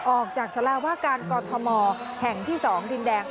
ออกจากสาราว่าการกอทมแห่งที่๒ดินแดง